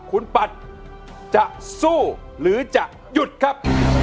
คุณปัดจะสู้หรือจะหยุดครับ